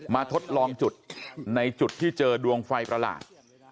ทดลองจุดในจุดที่เจอดวงไฟประหลาด